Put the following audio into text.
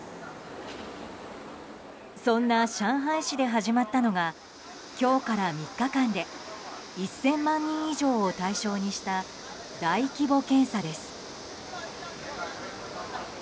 そんな上海市で始まったのが今日から３日間で１０００万人以上を対象にした大規模検査です。